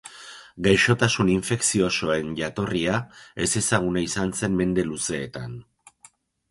Gaixotasun infekziosoen jatorria ezezaguna izan zen mende luzeetan.